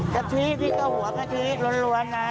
กะทิทีกระหวกกะทิทีที่ทำรวมเรือน้ำ